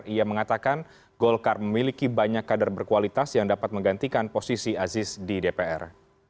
ia mengatakan golkar memiliki banyak kader berkualitas yang dapat menggantikan posisi aziz di dpr